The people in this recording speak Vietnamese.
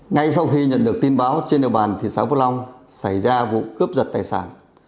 ngay sau khi nhận được tin báo trên đường bàn thị xã phước long xảy ra vụ cướp giật tài sản